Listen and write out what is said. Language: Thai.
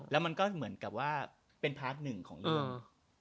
แล้วมันก็เหมือนกับว่าเป็นพาร์ทหนึ่งของเรื่อง